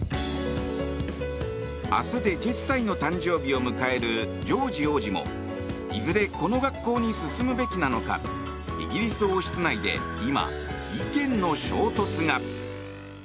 明日で１０歳の誕生日を迎えるジョージ王子もいずれこの学校に進むべきなのかイギリス王室内で今、意見の衝突が。